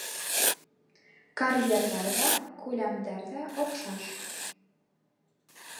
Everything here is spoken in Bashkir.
Карьерҙар ҙа, күләмдәр ҙә оҡшаш.